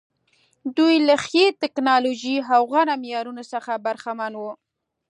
دوی له ښې ټکنالوژۍ او غوره معیارونو څخه برخمن وو.